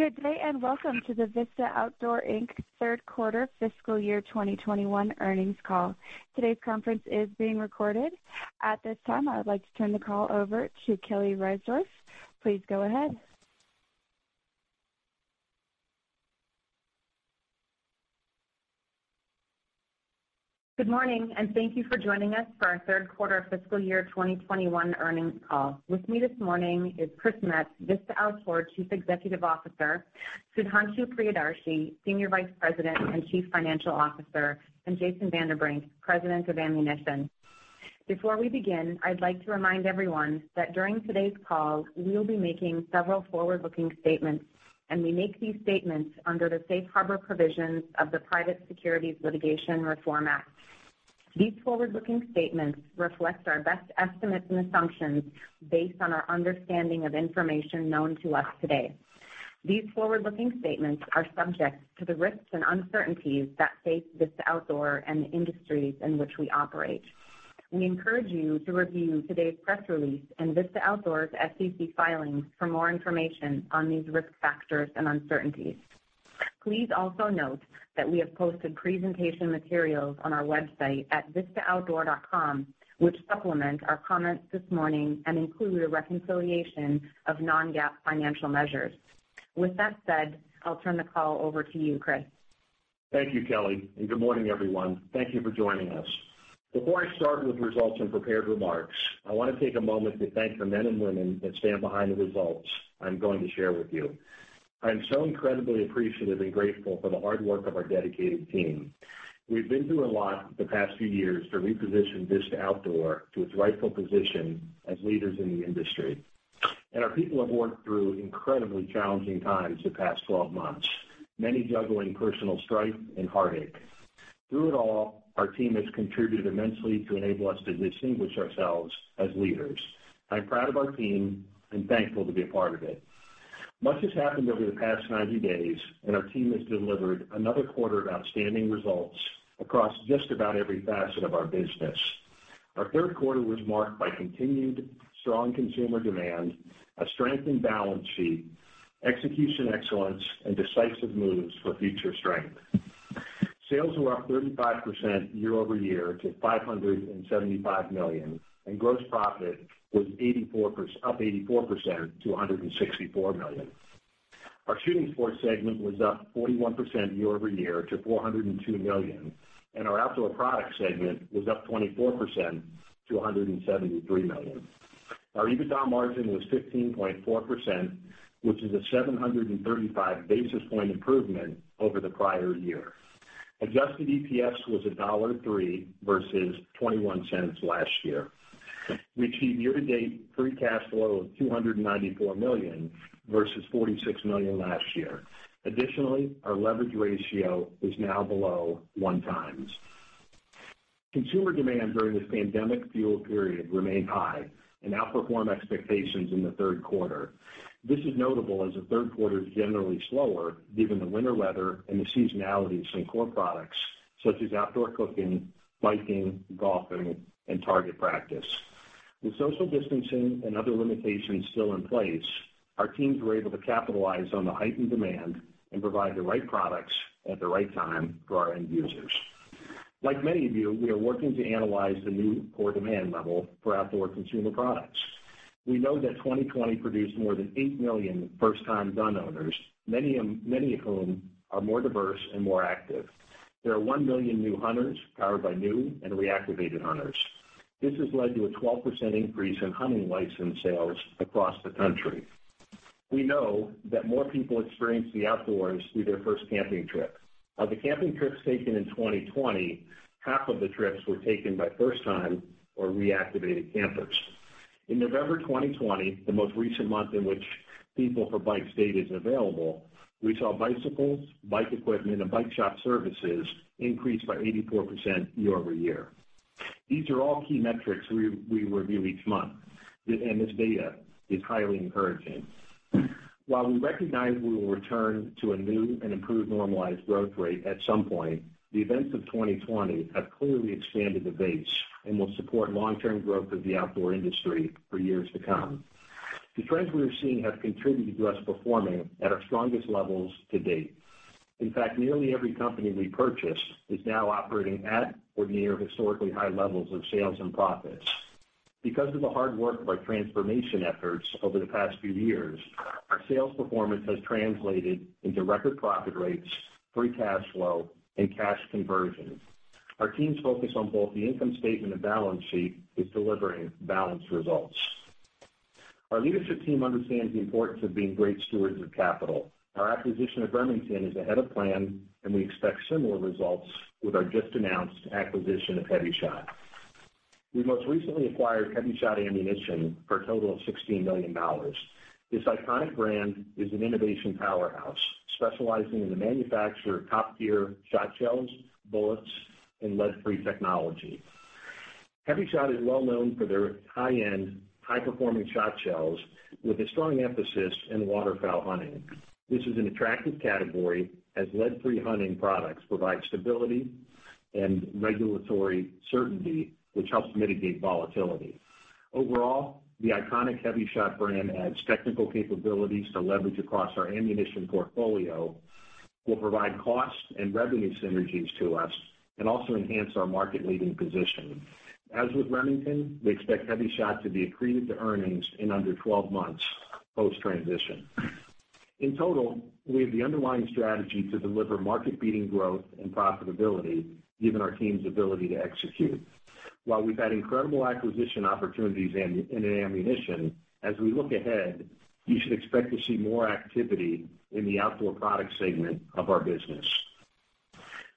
Good day, welcome to the Vista Outdoor Inc third quarter fiscal year 2021 earnings call. Today's conference is being recorded. At this time, I would like to turn the call over to Kelly Reisdorf. Please go ahead. Good morning, and thank you for joining us for our third quarter fiscal year 2021 earnings call. With me this morning is Chris Metz, Vista Outdoor Chief Executive Officer, Sudhanshu Priyadarshi, Senior Vice President and Chief Financial Officer, and Jason Vanderbrink, President of Ammunition. Before we begin, I'd like to remind everyone that during today's call, we will be making several forward-looking statements. We make these statements under the Safe Harbor provisions of the Private Securities Litigation Reform Act. These forward-looking statements reflect our best estimates and assumptions based on our understanding of information known to us today. These forward-looking statements are subject to the risks and uncertainties that face Vista Outdoor and the industries in which we operate. We encourage you to review today's press release and Vista Outdoor's SEC filings for more information on these risk factors and uncertainties. Please also note that we have posted presentation materials on our website at vistaoutdoor.com, which supplement our comments this morning and include a reconciliation of non-GAAP financial measures. With that said, I'll turn the call over to you, Chris. Thank you, Kelly. Good morning, everyone. Thank you for joining us. Before I start with results and prepared remarks, I want to take a moment to thank the men and women that stand behind the results I'm going to share with you. I'm so incredibly appreciative and grateful for the hard work of our dedicated team. We've been through a lot the past few years to reposition Vista Outdoor to its rightful position as leaders in the industry. Our people have worked through incredibly challenging times the past 12 months, many juggling personal strife and heartache. Through it all, our team has contributed immensely to enable us to distinguish ourselves as leaders. I'm proud of our team and thankful to be a part of it. Much has happened over the past 90 days. Our team has delivered another quarter of outstanding results across just about every facet of our business. Our third quarter was marked by continued strong consumer demand, a strengthened balance sheet, execution excellence, and decisive moves for future strength. Sales were up 35% year-over-year to $575 million. Gross profit was up 84% to $164 million. Our Shooting Sports segment was up 41% year-over-year to $402 million. Our Outdoor Products segment was up 24% to $173 million. Our EBITDA margin was 15.4%, which is a 735 basis point improvement over the prior year. Adjusted EPS was $1.03 versus $0.21 last year. We achieved year-to-date free cash flow of $294 million versus $46 million last year. Our leverage ratio is now below 1x. Consumer demand during this pandemic-fueled period remained high and outperformed expectations in the third quarter. This is notable as the third quarter is generally slower given the winter weather and the seasonality of some core products such as outdoor cooking, biking, golfing, and target practice. With social distancing and other limitations still in place, our teams were able to capitalize on the heightened demand and provide the right products at the right time for our end users. Like many of you, we are working to analyze the new core demand level for outdoor consumer products. We know that 2020 produced more than 8 million first-time gun owners, many of whom are more diverse and more active. There are 1 million new hunters, powered by new and reactivated hunters. This has led to a 12% increase in hunting license sales across the country. We know that more people experienced the outdoors through their first camping trip. Of the camping trips taken in 2020, half of the trips were taken by first-time or reactivated campers. In November 2020, the most recent month in which PeopleForBikes data is available, we saw bicycles, bike equipment, and bike shop services increase by 84% year-over-year. These are all key metrics we review each month, and this data is highly encouraging. While we recognize we will return to a new and improved normalized growth rate at some point, the events of 2020 have clearly expanded the base and will support long-term growth of the outdoor industry for years to come. The trends we are seeing have contributed to us performing at our strongest levels to date. In fact, nearly every company we purchased is now operating at or near historically high levels of sales and profits. Because of the hard work of our transformation efforts over the past few years, our sales performance has translated into record profit rates, free cash flow, and cash conversion. Our team's focus on both the income statement and balance sheet is delivering balanced results. Our leadership team understands the importance of being great stewards of capital. Our acquisition of Remington is ahead of plan, and we expect similar results with our just-announced acquisition of HEVI-Shot. We most recently acquired HEVI-Shot Ammunition for a total of $16 million. This iconic brand is an innovation powerhouse, specializing in the manufacture of top-tier shot shells, bullets, and lead-free technology. HEVI-Shot is well known for their high-end, high-performing shot shells with a strong emphasis in waterfowl hunting. This is an attractive category as lead-free hunting products provide stability and regulatory certainty, which helps mitigate volatility. Overall, the iconic HEVI-Shot brand adds technical capabilities to leverage across our ammunition portfolio, will provide cost and revenue synergies to us, and also enhance our market-leading position. As with Remington, we expect HEVI-Shot to be accretive to earnings in under 12 months post-transition. In total, we have the underlying strategy to deliver market-beating growth and profitability, given our team's ability to execute. While we've had incredible acquisition opportunities in ammunition, as we look ahead, you should expect to see more activity in the outdoor product segment of our business.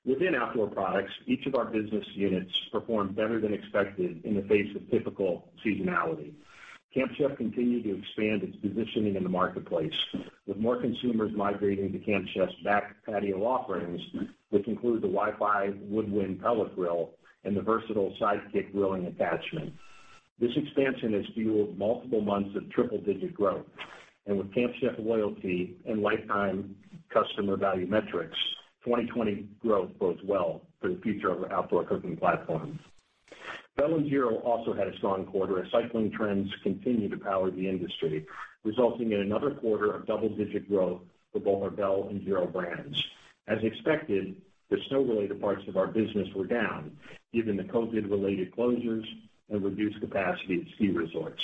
Within outdoor products, each of our business units performed better than expected in the face of typical seasonality. Camp Chef continued to expand its positioning in the marketplace, with more consumers migrating to Camp Chef's back patio offerings, which include the WIFI Woodwind Pellet Grill and the versatile Sidekick grilling attachment. This expansion has fueled multiple months of triple-digit growth. With Camp Chef loyalty and lifetime customer value metrics, 2020 growth bodes well for the future of our outdoor cooking platform. Bell and Giro also had a strong quarter, as cycling trends continue to power the industry, resulting in another quarter of double-digit growth for both our Bell and Giro brands. As expected, the snow-related parts of our business were down, given the COVID-related closures and reduced capacity at ski resorts.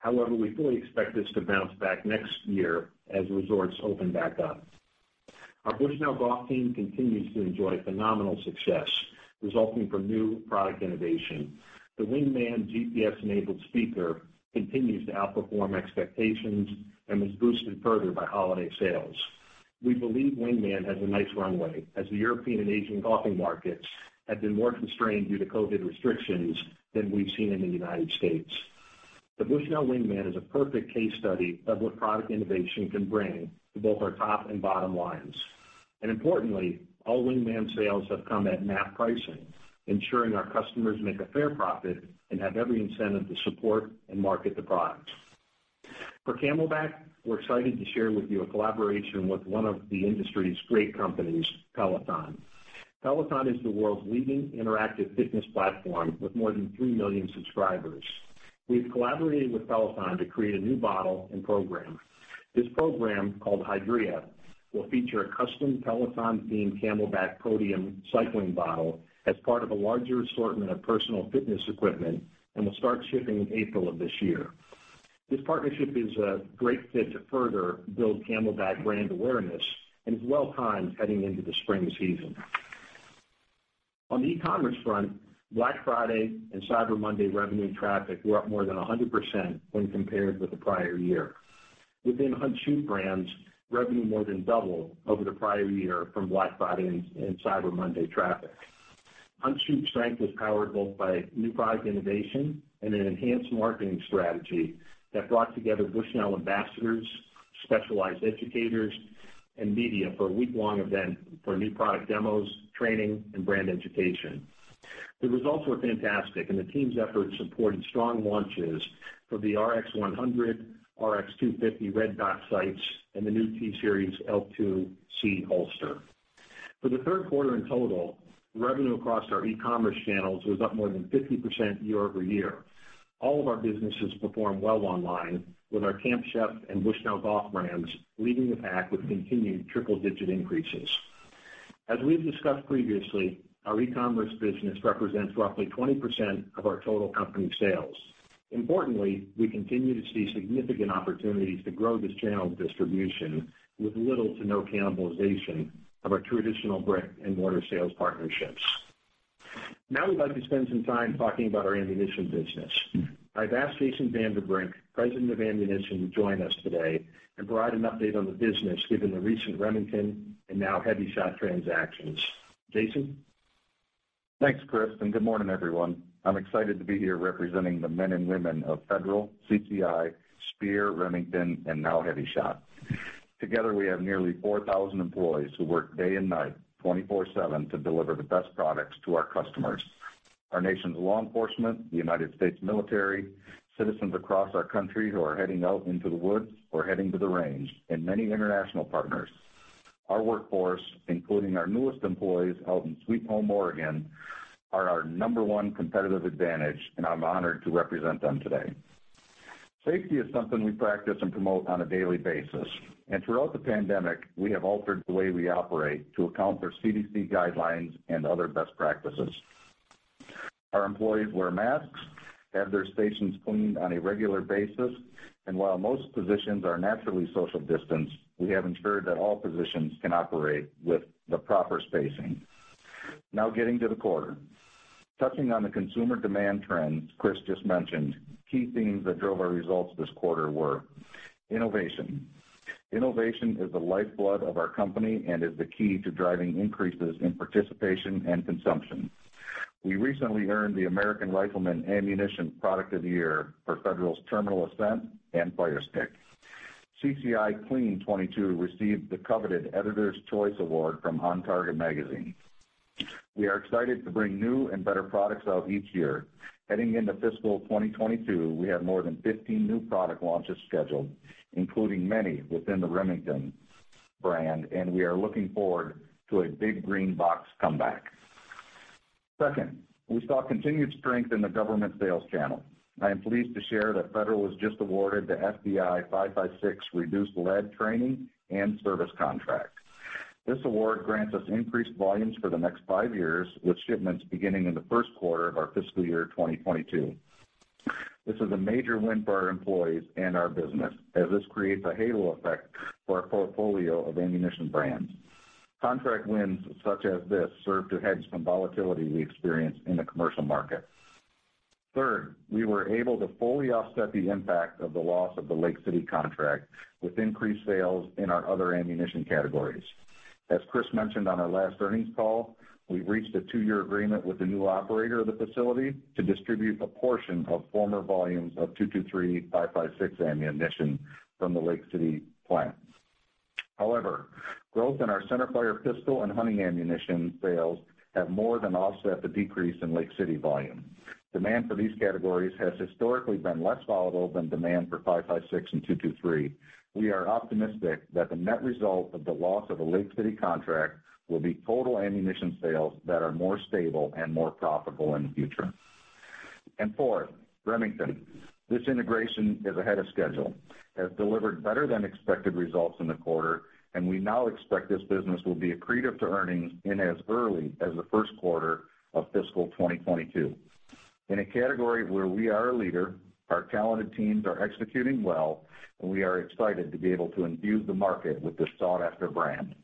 However, we fully expect this to bounce back next year as resorts open back up. Our Bushnell Golf team continues to enjoy phenomenal success, resulting from new product innovation. The Wingman GPS-enabled speaker continues to outperform expectations and was boosted further by holiday sales. We believe Wingman has a nice runway, as the European and Asian golfing markets have been more constrained due to COVID restrictions than we've seen in the United States. The Bushnell Wingman is a perfect case study of what product innovation can bring to both our top and bottom lines. Importantly, all Wingman sales have come at MAP pricing, ensuring our customers make a fair profit and have every incentive to support and market the product. For CamelBak, we're excited to share with you a collaboration with one of the industry's great companies, Peloton. Peloton is the world's leading interactive fitness platform with more than three million subscribers. We've collaborated with Peloton to create a new bottle and program. This program, called Hydrea, will feature a custom Peloton-themed CamelBak Podium cycling bottle as part of a larger assortment of personal fitness equipment and will start shipping in April of this year. This partnership is a great fit to further build CamelBak brand awareness and is well-timed heading into the spring season. On the e-commerce front, Black Friday and Cyber Monday revenue and traffic were up more than 100% when compared with the prior year. Within Hunt Shoot brands, revenue more than doubled over the prior year from Black Friday and Cyber Monday traffic. Hunt Shoot's strength was powered both by new product innovation and an enhanced marketing strategy that brought together Bushnell ambassadors, specialized educators, and media for a week-long event for new product demos, training, and brand education. The results were fantastic, and the team's efforts supported strong launches for the RXS-100, RXS-250 red dot sights, and the new T-Series L2C holster. For the third quarter in total, revenue across our e-commerce channels was up more than 50% year-over-year. All of our businesses performed well online, with our Camp Chef and Bushnell Golf brands leading the pack with continued triple-digit increases. As we've discussed previously, our e-commerce business represents roughly 20% of our total company sales. Importantly, we continue to see significant opportunities to grow this channel of distribution with little to no cannibalization of our traditional brick-and-mortar sales partnerships. We'd like to spend some time talking about our ammunition business. I've asked Jason Vanderbrink, President of Ammunition, to join us today and provide an update on the business, given the recent Remington and now HEVI-Shot transactions. Jason? Thanks, Chris. Good morning, everyone. I'm excited to be here representing the men and women of Federal, CCI, Speer, Remington, and now HEVI-Shot. Together, we have nearly 4,000 employees who work day and night, 24/7, to deliver the best products to our customers, our nation's law enforcement, the United States military, citizens across our country who are heading out into the woods or heading to the range, and many international partners. Our workforce, including our newest employees out in Sweet Home, Oregon, are our number one competitive advantage. I'm honored to represent them today. Safety is something we practice and promote on a daily basis. Throughout the pandemic, we have altered the way we operate to account for CDC guidelines and other best practices. Our employees wear masks, have their stations cleaned on a regular basis, and while most positions are naturally social distanced, we have ensured that all positions can operate with the proper spacing. Now getting to the quarter. Touching on the consumer demand trends Chris just mentioned, key themes that drove our results this quarter were innovation. Innovation is the lifeblood of our company and is the key to driving increases in participation and consumption. We recently earned the American Rifleman Ammunition Product of the Year for Federal's Terminal Ascent and FireStick. CCI Clean-22 received the coveted Editor's Choice award from On Target magazine. We are excited to bring new and better products out each year. Heading into fiscal 2022, we have more than 15 new product launches scheduled, including many within the Remington brand, and we are looking forward to a big green box comeback. Second, we saw continued strength in the government sales channel. I am pleased to share that Federal was just awarded the FBI 5.56 Reduced Lead Training and Service contract. This award grants us increased volumes for the next five years, with shipments beginning in the first quarter of our fiscal year 2022. This is a major win for our employees and our business, as this creates a halo effect for our portfolio of ammunition brands. Contract wins such as this serve to hedge some volatility we experience in the commercial market. Third, we were able to fully offset the impact of the loss of the Lake City contract with increased sales in our other ammunition categories. As Chris mentioned on our last earnings call, we've reached a two-year agreement with the new operator of the facility to distribute a portion of former volumes of 223, 5.56 ammunition from the Lake City plant. However, growth in our centerfire pistol and hunting ammunition sales have more than offset the decrease in Lake City volume. Demand for these categories has historically been less volatile than demand for 5.56 and 223. We are optimistic that the net result of the loss of the Lake City contract will be total ammunition sales that are more stable and more profitable in the future. Fourth, Remington. This integration is ahead of schedule, has delivered better than expected results in the quarter, and we now expect this business will be accretive to earnings in as early as the first quarter of fiscal 2022. In a category where we are a leader, our talented teams are executing well. We are excited to be able to imbue the market with this sought-after brand.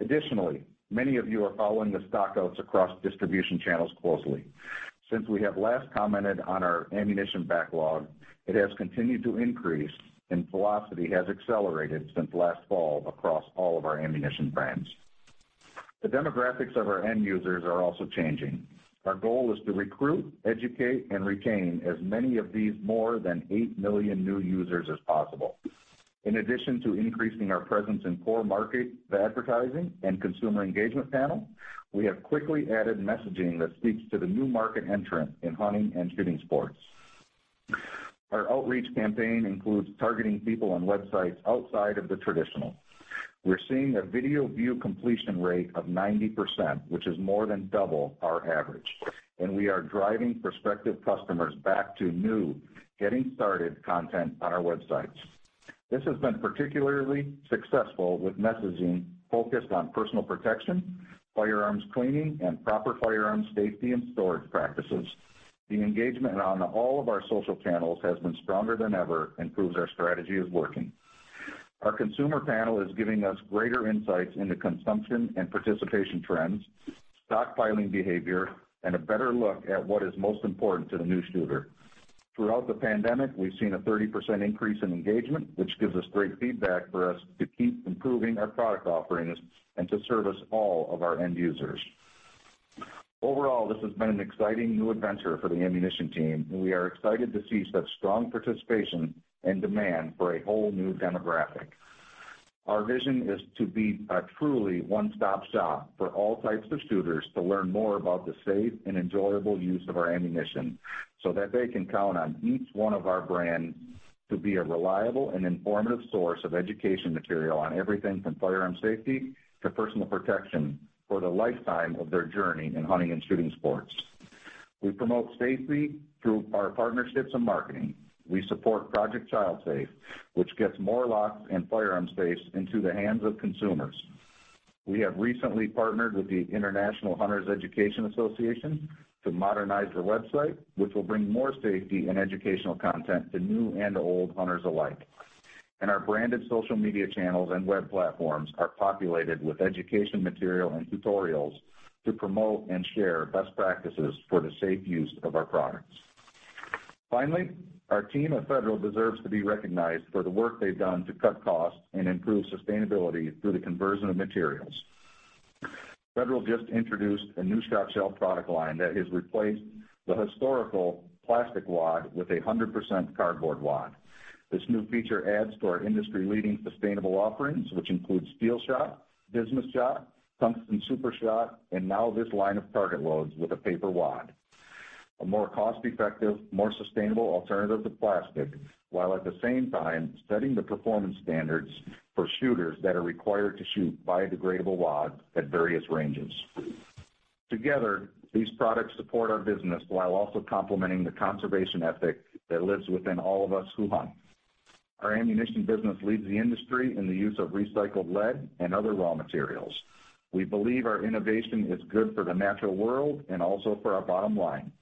Additionally, many of you are following the stockouts across distribution channels closely. Since we have last commented on our ammunition backlog, it has continued to increase. Velocity has accelerated since last fall across all of our ammunition brands. The demographics of our end users are also changing. Our goal is to recruit, educate, and retain as many of these more than 8 million new users as possible. In addition to increasing our presence in core market advertising and consumer engagement panel, we have quickly added messaging that speaks to the new market entrant in hunting and shooting sports. Our outreach campaign includes targeting people on websites outside of the traditional. We're seeing a video view completion rate of 90%, which is more than double our average, and we are driving prospective customers back to new getting started content on our websites. This has been particularly successful with messaging focused on personal protection, firearms cleaning, and proper firearm safety and storage practices. The engagement on all of our social channels has been stronger than ever and proves our strategy is working. Our consumer panel is giving us greater insights into consumption and participation trends, stockpiling behavior, and a better look at what is most important to the new shooter. Throughout the pandemic, we've seen a 30% increase in engagement, which gives us great feedback for us to keep improving our product offerings and to service all of our end users. Overall, this has been an exciting new adventure for the ammunition team, and we are excited to see such strong participation and demand for a whole new demographic. Our vision is to be a truly one-stop shop for all types of shooters to learn more about the safe and enjoyable use of our ammunition, so that they can count on each one of our brands to be a reliable and informative source of education material on everything from firearm safety to personal protection for the lifetime of their journey in hunting and shooting sports. We promote safety through our partnerships and marketing. We support Project ChildSafe, which gets more locks and firearm space into the hands of consumers. We have recently partnered with the International Hunter Education Association to modernize their website, which will bring more safety and educational content to new and old hunters alike. Our branded social media channels and web platforms are populated with education material and tutorials to promote and share best practices for the safe use of our products. Finally, our team at Federal deserves to be recognized for the work they've done to cut costs and improve sustainability through the conversion of materials. Federal just introduced a new shotshell product line that has replaced the historical plastic wad with 100% cardboard wad. This new feature adds to our industry-leading sustainable offerings, which includes steel shot, bismuth shot, tungsten super shot, and now this line of target loads with a paper wad. A more cost-effective, more sustainable alternative to plastic, while at the same time setting the performance standards for shooters that are required to shoot biodegradable wads at various ranges. Together, these products support our business while also complementing the conservation ethic that lives within all of us who hunt. Our ammunition business leads the industry in the use of recycled lead and other raw materials. We believe our innovation is good for the natural world and also for our bottom line.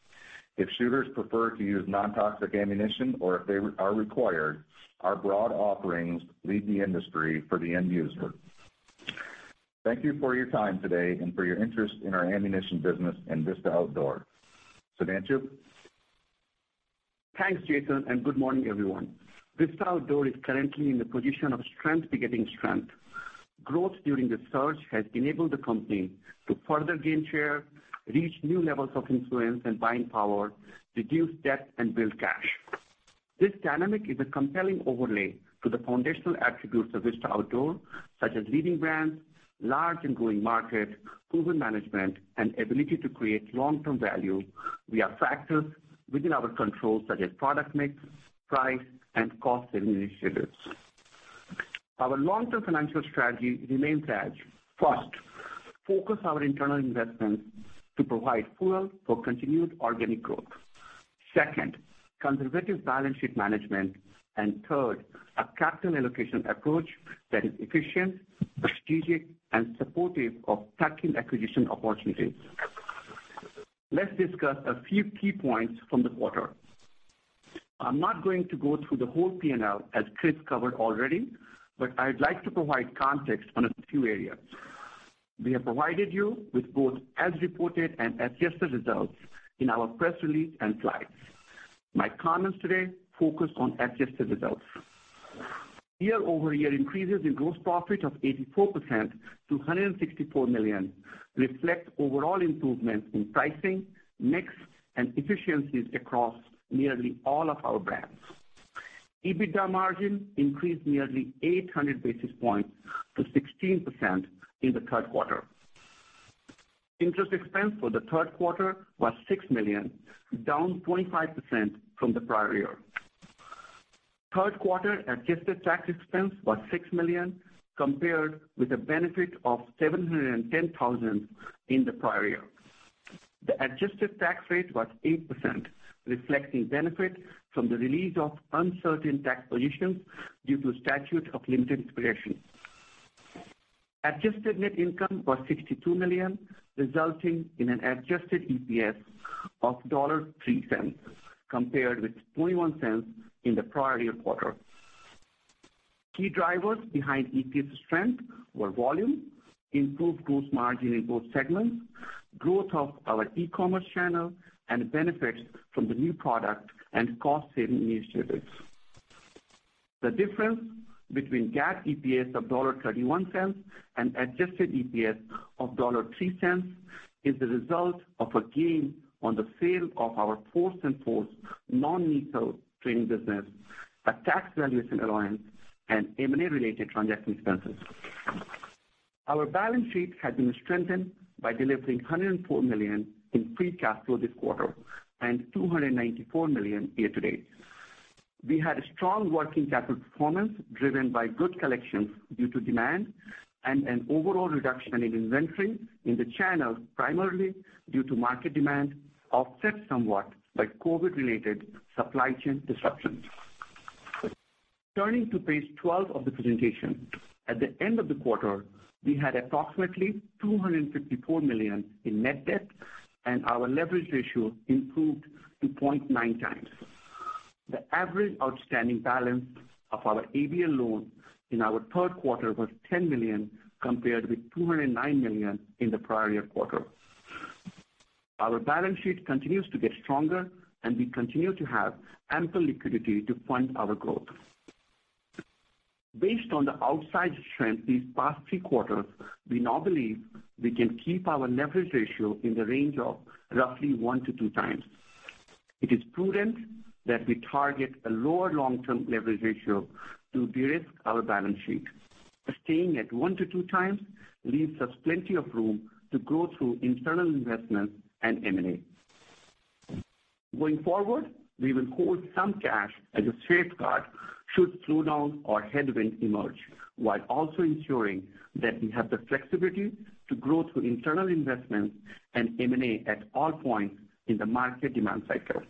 If shooters prefer to use non-toxic ammunition or if they are required, our broad offerings lead the industry for the end user. Thank you for your time today and for your interest in our ammunition business and Vista Outdoor. Sudhanshu? Thanks, Jason. Good morning, everyone. Vista Outdoor is currently in the position of strength begetting strength. Growth during the surge has enabled the company to further gain share, reach new levels of influence and buying power, reduce debt, and build cash. This dynamic is a compelling overlay to the foundational attributes of Vista Outdoor, such as leading brands, large and growing market, proven management, and ability to create long-term value via factors within our control, such as product mix, price, and cost-saving initiatives. Our long-term financial strategy remains as, first, focus our internal investments to provide fuel for continued organic growth. Second, conservative balance sheet management. Third, a capital allocation approach that is efficient, strategic, and supportive of tactical acquisition opportunities. Let's discuss a few key points from the quarter. I'm not going to go through the whole P&L, as Chris covered already, but I'd like to provide context on a few areas. We have provided you with both as reported and adjusted results in our press release and slides. My comments today focus on adjusted results. Year-over-year increases in gross profit of 84% to $164 million reflect overall improvement in pricing, mix, and efficiencies across nearly all of our brands. EBITDA margin increased nearly 800 basis points to 16% in the third quarter. Interest expense for the third quarter was $6 million, down 25% from the prior year. Third quarter adjusted tax expense was $6 million, compared with a benefit of $710,000 in the prior year. The adjusted tax rate was 8%, reflecting benefit from the release of uncertain tax positions due to statute of limitations expiration. Adjusted net income was $62 million, resulting in an adjusted EPS of $1.03, compared with $0.21 in the prior year quarter. Key drivers behind EPS strength were volume, improved gross margin in both segments, growth of our e-commerce channel, and benefits from the new product and cost-saving initiatives. The difference between GAAP EPS of $1.31 and adjusted EPS of $1.03 is the result of a gain on the sale of our Force on Force non-lethal training business, a tax valuation allowance, and M&A-related transaction expenses. Our balance sheet has been strengthened by delivering $104 million in free cash flow this quarter and $294 million year-to-date. We had a strong working capital performance driven by good collections due to demand and an overall reduction in inventory in the channel, primarily due to market demand offset somewhat by COVID-related supply chain disruptions. Turning to page 12 of the presentation. At the end of the quarter, we had approximately $254 million in net debt. Our leverage ratio improved to 0.9x. The average outstanding balance of our ABL loan in our third quarter was $10 million, compared with $209 million in the prior year quarter. Our balance sheet continues to get stronger. We continue to have ample liquidity to fund our growth. Based on the outsized strength these past three quarters, we now believe we can keep our leverage ratio in the range of roughly 1x-2x. It is prudent that we target a lower long-term leverage ratio to de-risk our balance sheet. Staying at one to 2x leaves us plenty of room to grow through internal investments and M&A. Going forward, we will hold some cash as a safeguard should slowdown or headwind emerge, while also ensuring that we have the flexibility to grow through internal investments and M&A at all points in the market demand cycle.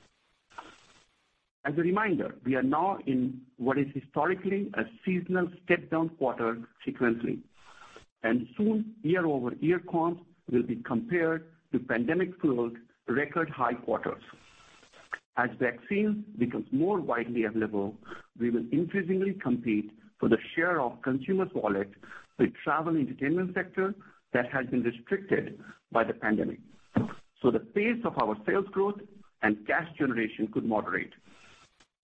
As a reminder, we are now in what is historically a seasonal step-down quarter sequentially, and soon, year-over-year comps will be compared to pandemic-fueled record high quarters. As vaccines become more widely available, we will increasingly compete for the share of consumer wallet with travel and entertainment sector that has been restricted by the pandemic. The pace of our sales growth and cash generation could moderate.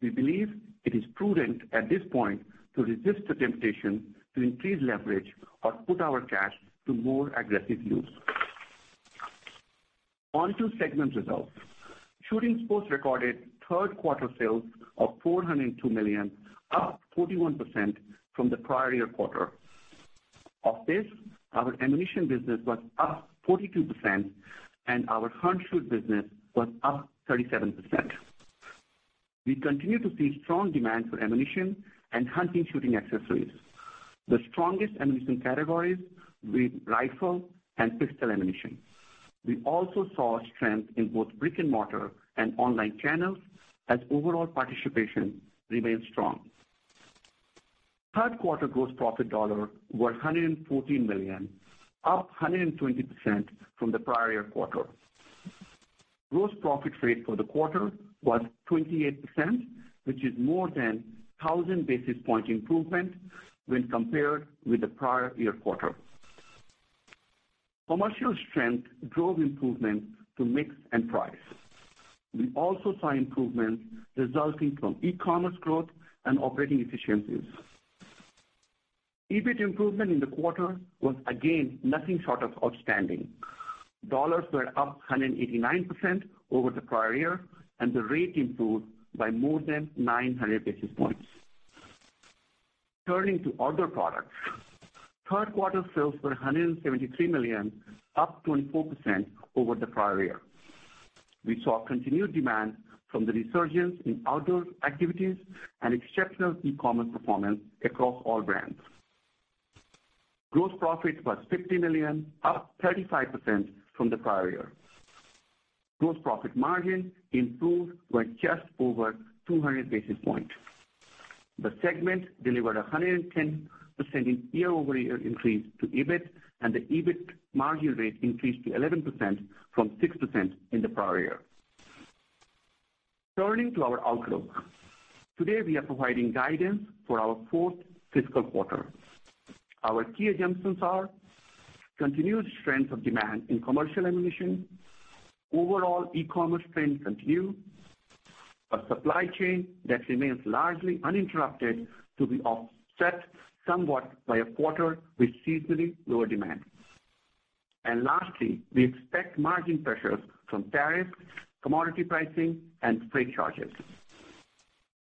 We believe it is prudent at this point to resist the temptation to increase leverage or put our cash to more aggressive use. On to segment results. Shooting Sports recorded third quarter sales of $402 million, up 41% from the prior year quarter. Of this, our ammunition business was up 42% and our hunt-shoot business was up 37%. We continue to see strong demand for ammunition and hunting shooting accessories. The strongest ammunition categories were rifle and pistol ammunition. We also saw strength in both brick-and-mortar and online channels as overall participation remained strong. Third quarter gross profit dollar were $114 million, up 120% from the prior year quarter. Gross profit rate for the quarter was 28%, which is more than 1,000 basis point improvement when compared with the prior year quarter. Commercial strength drove improvement to mix and price. We also saw improvements resulting from e-commerce growth and operating efficiencies. EBIT improvement in the quarter was again nothing short of outstanding. Dollars were up 189% over the prior year, and the rate improved by more than 900 basis points. Turning to Outdoor Products, third quarter sales were $173 million, up 24% over the prior year. We saw continued demand from the resurgence in outdoor activities and exceptional e-commerce performance across all brands. Gross profit was $50 million, up 35% from the prior year. Gross profit margin improved by just over 200 basis points. The segment delivered 110% year-over-year increase to EBIT, and the EBIT margin rate increased to 11% from 6% in the prior year. Turning to our outlook. Today, we are providing guidance for our fourth fiscal quarter. Our key assumptions are continued strength of demand in commercial ammunition, overall e-commerce trends continue, a supply chain that remains largely uninterrupted to be offset somewhat by a quarter with seasonally lower demand. Lastly, we expect margin pressures from tariffs, commodity pricing, and freight charges.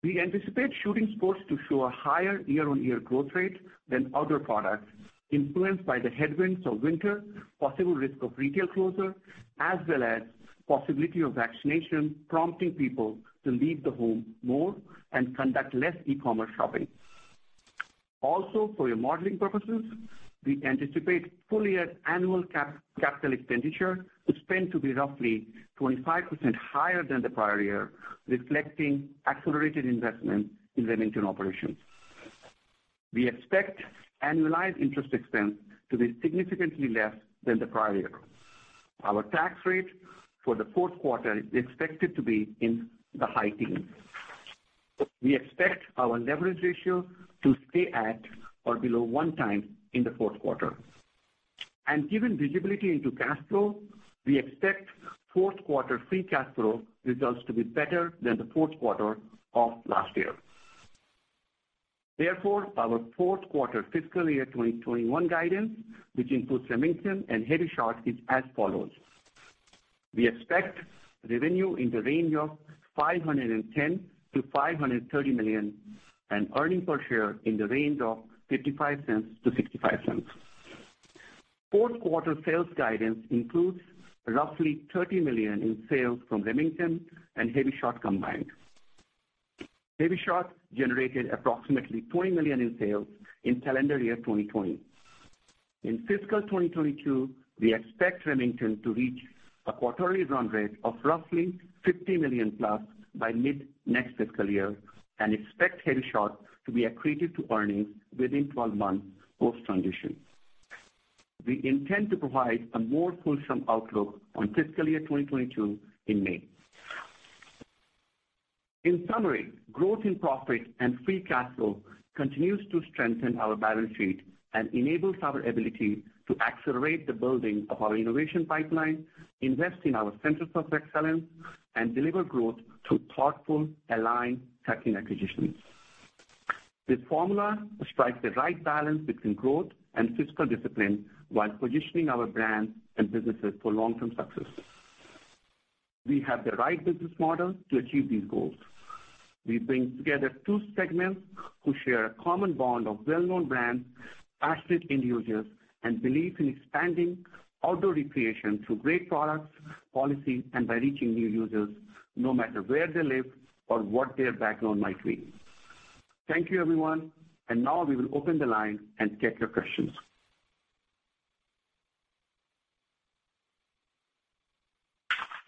We anticipate shooting sports to show a higher year-on-year growth rate than Outdoor Products influenced by the headwinds of winter, possible risk of retail closure, as well as possibility of vaccination prompting people to leave the home more and conduct less e-commerce shopping. Also, for your modeling purposes, we anticipate full year annual capital expenditure to spend to be roughly 25% higher than the prior year, reflecting accelerated investment in Remington operations. We expect annualized interest expense to be significantly less than the prior year. Our tax rate for the fourth quarter is expected to be in the high teens. We expect our leverage ratio to stay at or below 1x in the fourth quarter. Given visibility into cash flow, we expect fourth quarter free cash flow results to be better than the fourth quarter of last year. Therefore, our fourth quarter fiscal year 2021 guidance, which includes Remington and HEVI-Shot, is as follows. We expect revenue in the range of $510 million-$530 million, and earnings per share in the range of $0.55-$0.65. Fourth quarter sales guidance includes roughly $30 million in sales from Remington and HEVI-Shot combined. HEVI-Shot generated approximately $20 million in sales in calendar year 2020. In fiscal 2022, we expect Remington to reach a quarterly run rate of roughly $50+ million by mid next fiscal year and expect HEVI-Shot to be accretive to earnings within 12 months post-transition. We intend to provide a more fulsome outlook on fiscal year 2022 in May. In summary, growth in profit and free cash flow continues to strengthen our balance sheet and enables our ability to accelerate the building of our innovation pipeline, invest in our centers of excellence, and deliver growth through thoughtful, aligned, tactical acquisitions. This formula strikes the right balance between growth and fiscal discipline while positioning our brands and businesses for long-term success. We have the right business model to achieve these goals. We bring together two segments who share a common bond of well-known brands, passionate end users, and belief in expanding outdoor recreation through great products, policy, and by reaching new users, no matter where they live or what their background might be. Thank you, everyone. Now we will open the line and take your questions.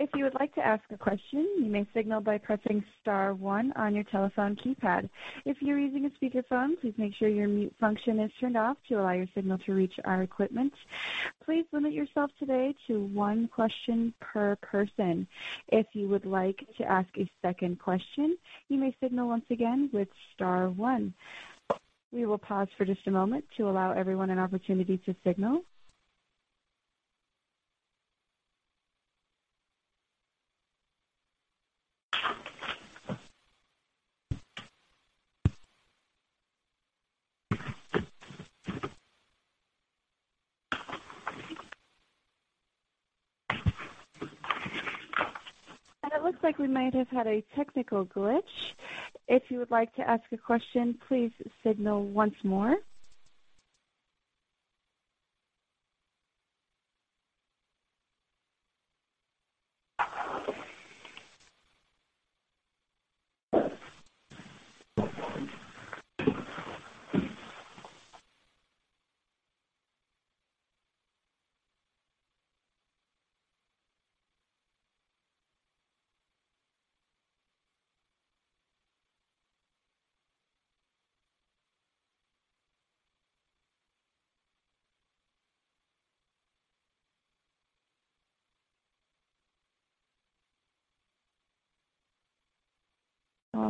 If you would like to ask a question, you may signal by pressing star one on your telephone keypad. If you're using a speakerphone, please make sure your mute function is turned off to allow your signal to reach our equipment. Please limit yourself today to one question per person. If you would like to ask a second question, you may signal once again with star one. We will pause for just a moment to allow everyone an opportunity to signal. It looks like we might have had a technical glitch. If you would like to ask a question, please signal once more.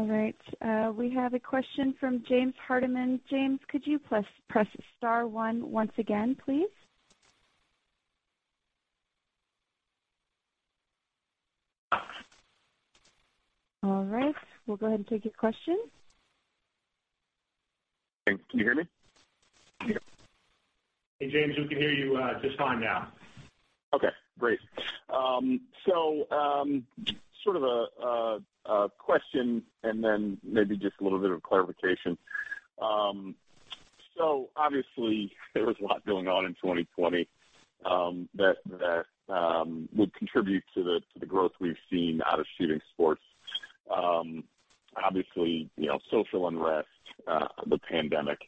All right. We have a question from James Hardiman. James, could you press star one once again, please? All right. We'll go ahead and take your question. Thanks. Can you hear me? Hey, James, we can hear you just fine now. Okay, great. Sort of a question and then maybe just a little bit of clarification. Obviously there was a lot going on in 2020 that would contribute to the growth we've seen out of shooting sports. Obviously, social unrest, the pandemic.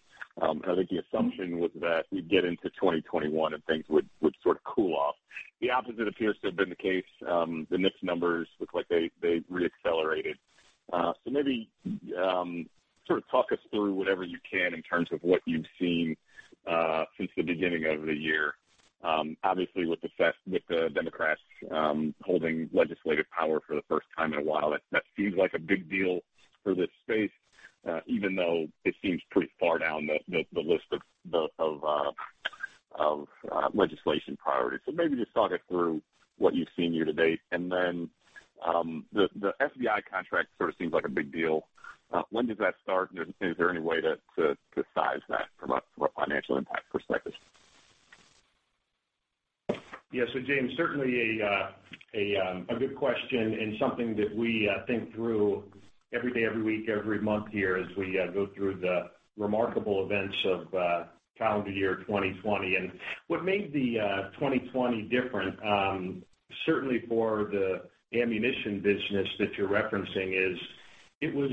I think the assumption was that we'd get into 2021, and things would sort of cool off. The opposite appears to have been the case. The NICS numbers look like they re-accelerated. Maybe sort of talk us through whatever you can in terms of what you've seen since the beginning of the year. Obviously with the Democrats holding legislative power for the first time in a while, that seems like a big deal for this space, even though it seems pretty far down the list of legislation priorities. Maybe just talk us through what you've seen year to date, and then the FBI contract sort of seems like a big deal. When does that start, and is there any way to size that from a financial impact perspective? James, certainly a good question, and something that we think through every day, every week, every month here as we go through the remarkable events of calendar year 2020. What made the 2020 different, certainly for the ammunition business that you're referencing, is it was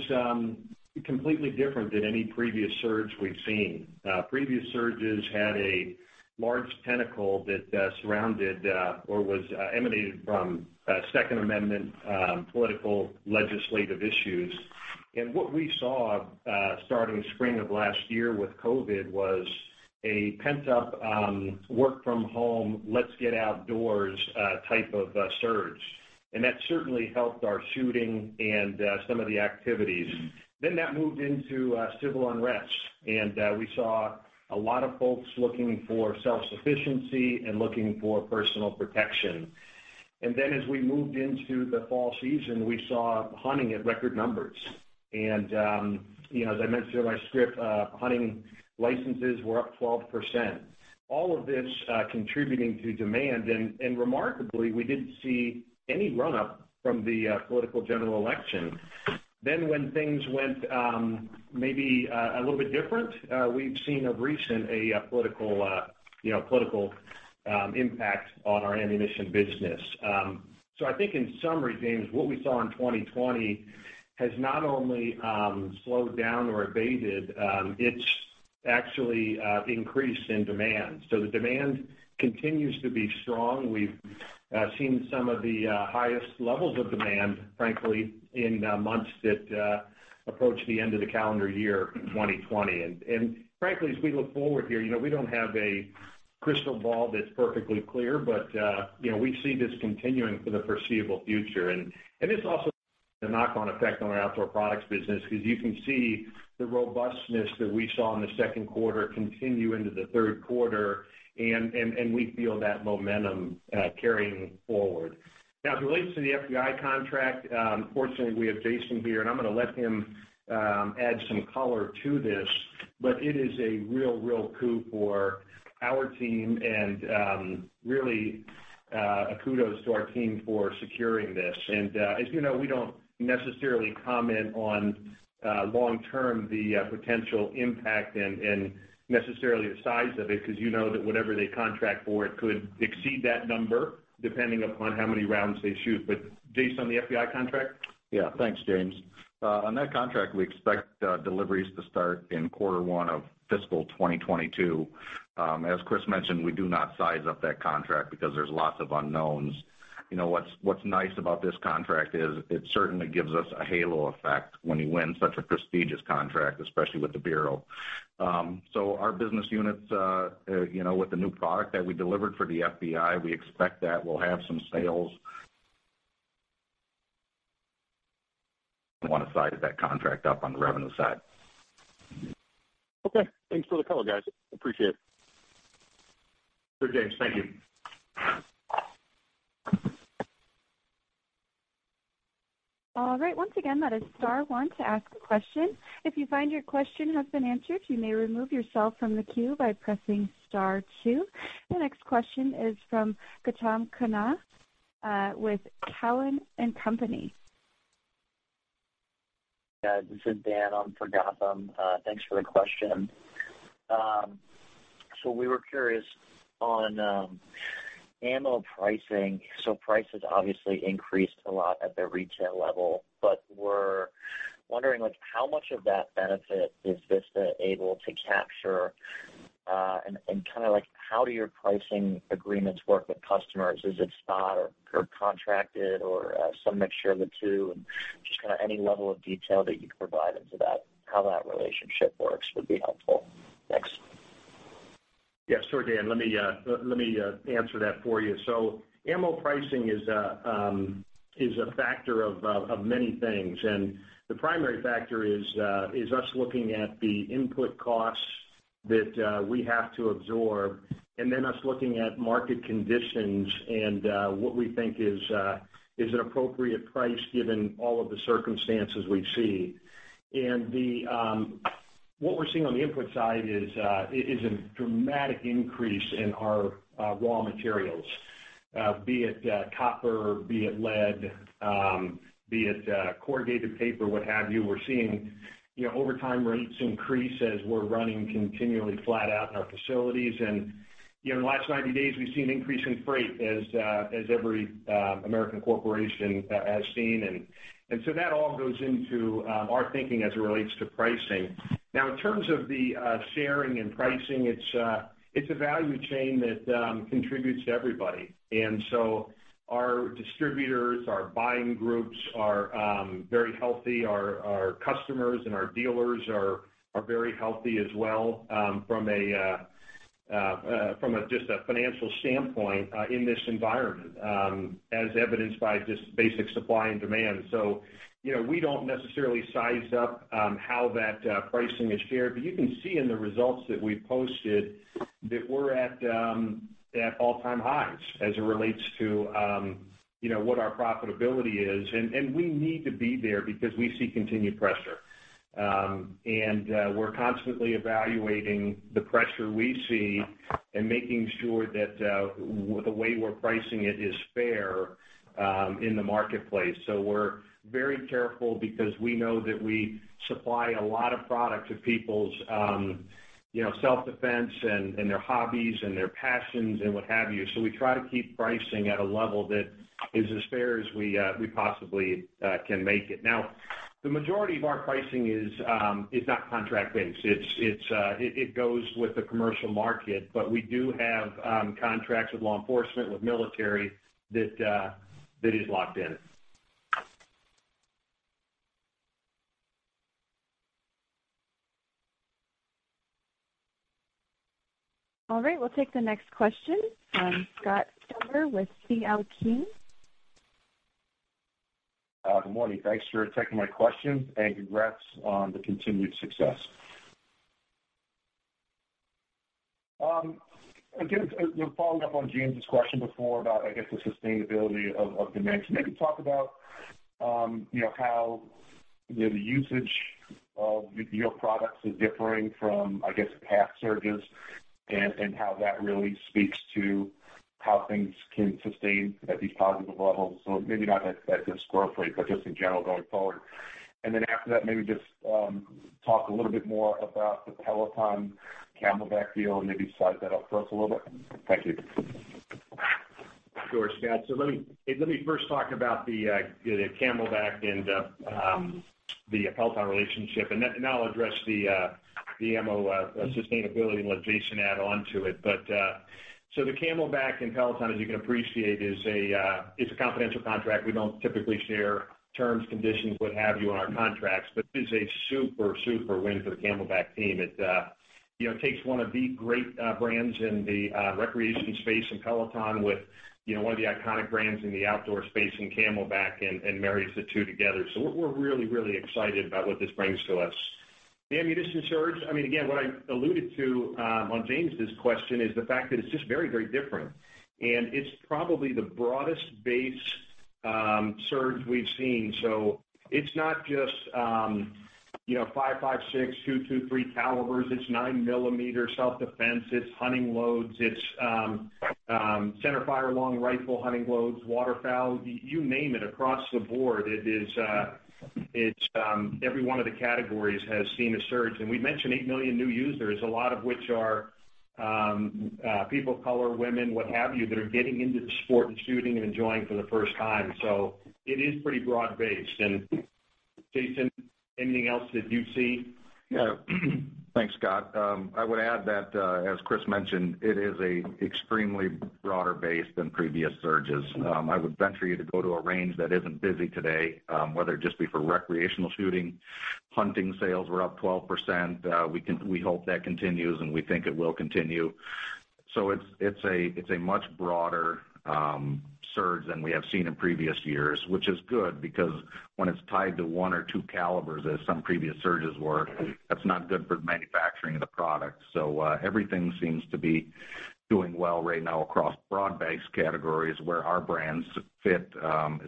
completely different than any previous surge we've seen. Previous surges had a large tentacle that surrounded, or was emanated from Second Amendment political legislative issues. What we saw, starting spring of last year with COVID, was a pent-up, work from home, let's get outdoors type of surge. That certainly helped our shooting and some of the activities. That moved into civil unrest, and we saw a lot of folks looking for self-sufficiency and looking for personal protection. As we moved into the fall season, we saw hunting at record numbers. As I mentioned in my script, hunting licenses were up 12%. All of this contributing to demand, and remarkably, we didn't see any run-up from the political general election. When things went maybe a little bit different, we've seen of recent a political impact on our ammunition business. I think in summary, James, what we saw in 2020 has not only slowed down or abated, it's actually increased in demand. The demand continues to be strong. We've seen some of the highest levels of demand, frankly, in months that approach the end of the calendar year 2020. Frankly, as we look forward here, we don't have a crystal ball that's perfectly clear, but we see this continuing for the foreseeable future. This also has a knock-on effect on our Outdoor Products business, because you can see the robustness that we saw in the second quarter continue into the third quarter, and we feel that momentum carrying forward. As it relates to the FBI contract, fortunately we have Jason here, and I'm going to let him add some color to this, but it is a real coup for our team and really a kudos to our team for securing this. As you know, we don't necessarily comment on long-term, the potential impact and necessarily the size of it, because you know that whatever they contract for, it could exceed that number depending upon how many rounds they shoot. Jason, the FBI contract? Yeah. Thanks, James. On that contract, we expect deliveries to start in quarter one of fiscal 2022. As Chris mentioned, we do not size up that contract because there's lots of unknowns. What's nice about this contract is it certainly gives us a halo effect when you win such a prestigious contract, especially with the Bureau. So our business units, with the new product that we delivered for the FBI, we expect that we'll have some sales. Want to size that contract up on the revenue side. Okay. Thanks for the color, guys. Appreciate it. Sure, James. Thank you. All right. Once again, that is star one to ask a question. If you find your question has been answered, you may remove yourself from the queue by pressing star two. The next question is from Gautam Khanna with Cowen and Company. Yeah, this is Dan on for Gautam. Thanks for the question. We were curious on ammo pricing. Prices obviously increased a lot at the retail level, but we're wondering how much of that benefit is Vista able to capture? How do your pricing agreements work with customers? Is it spot or contracted or some mixture of the two? Just kind of any level of detail that you can provide into that, how that relationship works would be helpful. Thanks. Yeah, sure, Dan. Let me answer that for you. Ammo pricing is a factor of many things, and the primary factor is us looking at the input costs that we have to absorb, and then us looking at market conditions and what we think is an appropriate price given all of the circumstances we see. What we're seeing on the input side is a dramatic increase in our raw materials, be it copper, be it lead, be it corrugated paper, what have you. We're seeing over time rates increase as we're running continually flat out in our facilities. In the last 90 days, we've seen an increase in freight, as every American corporation has seen. That all goes into our thinking as it relates to pricing. Now, in terms of the sharing and pricing, it's a value chain that contributes to everybody. Our distributors, our buying groups are very healthy. Our customers and our dealers are very healthy as well, from just a financial standpoint, in this environment, as evidenced by just basic supply and demand. We don't necessarily size up how that pricing is shared, but you can see in the results that we've posted that we're at all-time highs as it relates to what our profitability is. We need to be there because we see continued pressure. We're constantly evaluating the pressure we see and making sure that the way we're pricing it is fair in the marketplace. We're very careful because we know that we supply a lot of product to people's self-defense and their hobbies and their passions, and what have you. We try to keep pricing at a level that is as fair as we possibly can make it. The majority of our pricing is not contract-based. It goes with the commercial market. We do have contracts with law enforcement, with military, that is locked in. All right. We'll take the next question from Scott Stember with C.L. King. Good morning. Thanks for taking my question, and congrats on the continued success. Again, following up on James's question before about, I guess, the sustainability of demand. Maybe talk about how the usage of your products is differing from, I guess, past surges, and how that really speaks to how things can sustain at these positive levels. Maybe not at this growth rate, but just in general going forward. Then after that, maybe just talk a little bit more about the Peloton CamelBak deal, maybe size that up for us a little bit. Thank you. Sure, Scott. Let me first talk about the CamelBak and the Peloton relationship, and then I'll address the ammo sustainability and let Jason add onto it. The CamelBak and Peloton, as you can appreciate, is a confidential contract. We don't typically share terms, conditions, what have you on our contracts, but it is a super win for the CamelBak team. It takes one of the great brands in the recreation space in Peloton with one of the iconic brands in the outdoor space in CamelBak, and marries the two together. We're really excited about what this brings to us. The ammunition surge, again, what I alluded to on James's question is the fact that it's just very different, and it's probably the broadest base surge we've seen. It's not just 556, 223 calibers. It's 9 mm self-defense. It's hunting loads. It's center fire, long rifle hunting loads, waterfowl. You name it, across the board, every one of the categories has seen a surge. We mentioned 8 million new users, a lot of which are people of color, women, what have you, that are getting into the sport of shooting and enjoying for the first time. It is pretty broad-based. Jason, anything else that you see? Thanks, Scott. I would add that, as Chris mentioned, it is extremely broader-based than previous surges. I would venture you to go to a range that isn't busy today, whether it just be for recreational shooting, hunting sales were up 12%. We hope that continues, and we think it will continue. It's a much broader surge than we have seen in previous years, which is good because when it's tied to one or two calibers, as some previous surges were, that's not good for manufacturing the product. Everything seems to be doing well right now across broad-based categories where our brands fit,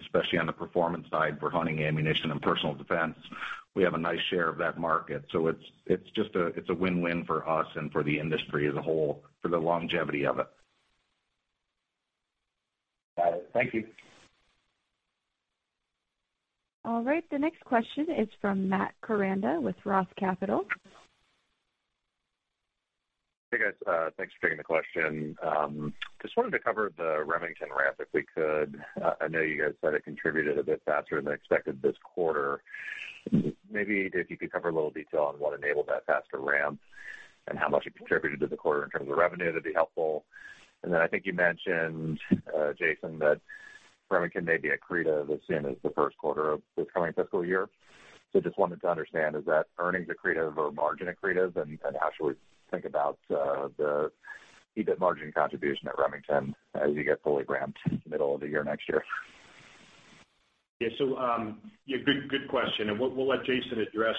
especially on the performance side for hunting ammunition and personal defense. We have a nice share of that market. It's a win-win for us and for the industry as a whole, for the longevity of it. Got it. Thank you. All right. The next question is from Matt Koranda with ROTH Capital. Hey, guys. Thanks for taking the question. Just wanted to cover the Remington ramp, if we could. I know you guys said it contributed a bit faster than expected this quarter. Maybe if you could cover a little detail on what enabled that faster ramp and how much it contributed to the quarter in terms of revenue, that'd be helpful. I think you mentioned, Jason, that Remington may be accretive as soon as the first quarter of this coming fiscal year. Just wanted to understand, is that earnings accretive or margin accretive? How should we think about the EBIT margin contribution at Remington as you get fully ramped middle of the year next year? Yeah. Good question, and we'll let Jason address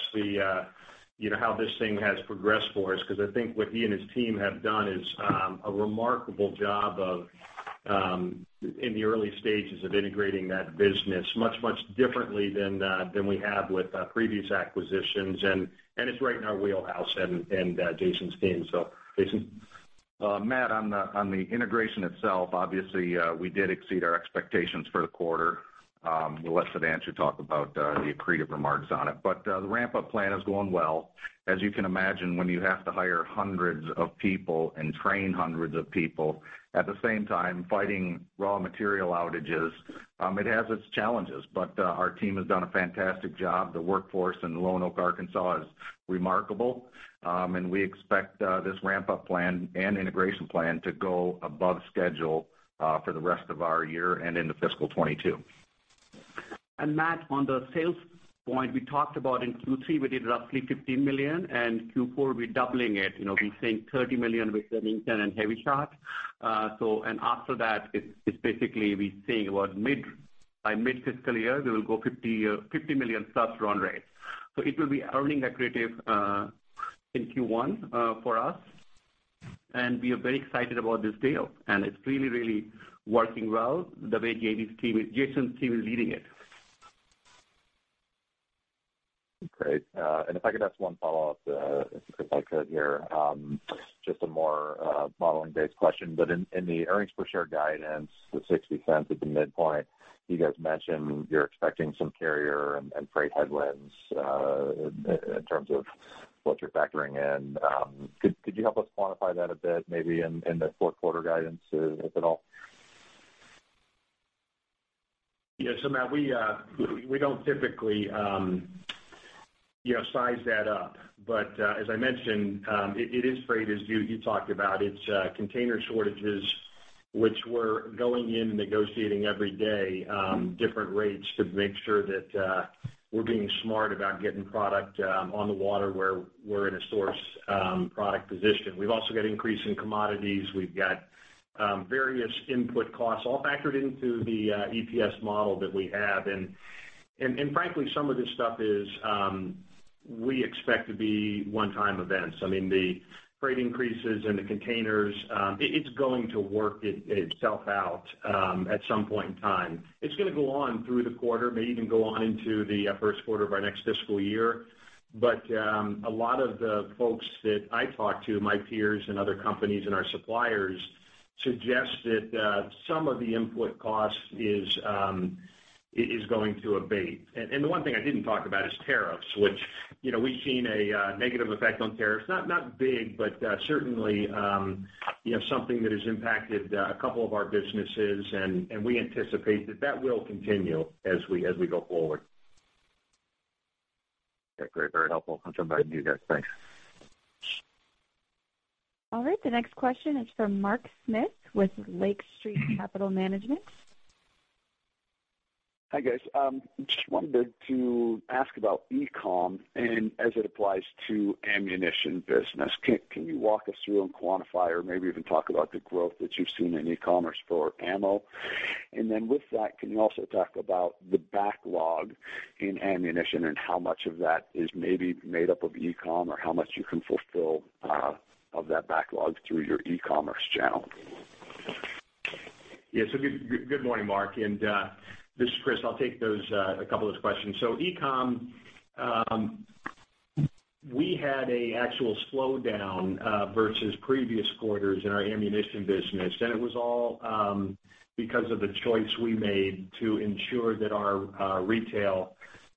how this thing has progressed for us, because I think what he and his team have done is a remarkable job in the early stages of integrating that business much, much differently than we have with previous acquisitions. It's right in our wheelhouse and Jason's team. Jason? Matt, on the integration itself, obviously, we did exceed our expectations for the quarter. We'll let Sudhanshu talk about the accretive remarks on it. The ramp-up plan is going well. As you can imagine, when you have to hire hundreds of people and train hundreds of people at the same time fighting raw material outages, it has its challenges. Our team has done a fantastic job. The workforce in Lonoke, Arkansas, is remarkable. We expect this ramp-up plan and integration plan to go above schedule for the rest of our year and into fiscal 2022. Matt, on the sales point, we talked about in Q3, we did roughly $15 million, and Q4, we're doubling it. We're seeing $30 million with Remington and HEVI-Shot. After that, it's basically we're seeing by mid-fiscal year, we will go $50+ million run rate. It will be earning accretive in Q1 for us, and we are very excited about this deal, and it's really working well, the way Jason's team is leading it. Great. If I could ask one follow-up, if I could here. Just a more modeling-based question, but in the earnings per share guidance, the $0.60 at the midpoint, you guys mentioned you're expecting some carrier and freight headwinds in terms of what you're factoring in. Could you help us quantify that a bit, maybe in the fourth quarter guidance, if at all? Yeah. Matt, we don't typically size that up. As I mentioned, it is freight, as you talked about. It's container shortages, which we're going in and negotiating every day different rates to make sure that we're being smart about getting product on the water where we're in a source product position. We've also got increase in commodities. We've got various input costs all factored into the EPS model that we have. Frankly, some of this stuff is we expect to be one-time events. I mean, the freight increases and the containers, it's going to work itself out at some point in time. It's going to go on through the quarter, may even go on into the first quarter of our next fiscal year. A lot of the folks that I talk to, my peers in other companies and our suppliers, suggest that some of the input cost is going to abate. The one thing I didn't talk about is tariffs, which we've seen a negative effect on tariffs. Not big, but certainly something that has impacted a couple of our businesses, and we anticipate that that will continue as we go forward. Yeah, great. Very helpful. Sometimes you do that. Thanks. All right, the next question is from Mark Smith with Lake Street Management. Hi, guys. Just wanted to ask about e-com and as it applies to ammunition business. Can you walk us through and quantify or maybe even talk about the growth that you've seen in e-commerce for ammo? Then with that, can you also talk about the backlog in ammunition and how much of that is maybe made up of e-com or how much you can fulfill of that backlog through your e-commerce channel? Yeah. Good morning, Mark, and this is Chris. I'll take a couple of those questions. E-com, we had an actual slowdown versus previous quarters in our ammunition business, and it was all because of the choice we made to ensure that our retail